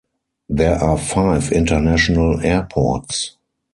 There are five international airports.